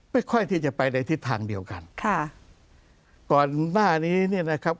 ค่อยที่จะไปในทิศทางเดียวกันค่ะก่อนหน้านี้เนี่ยนะครับ